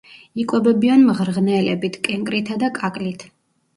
იკვებებიან მღრღნელებით, კენკრითა და კაკლით.